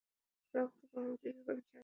রক্তবমন কিছুক্ষণ শান্ত ছিল।